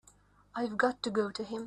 I've got to go to him.